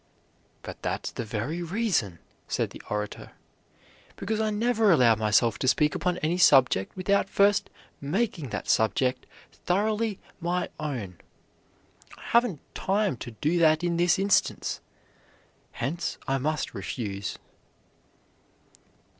"But that's the very reason," said the orator, "because I never allow myself to speak upon any subject without first making that subject thoroughly my own. I haven't time to do that in this instance. Hence I must refuse."